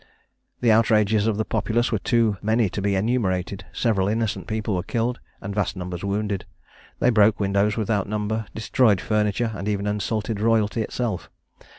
The outrages of the populace were too many to be enumerated; several innocent people were killed, and vast numbers wounded. They broke windows without number, destroyed furniture, and even insulted royalty itself.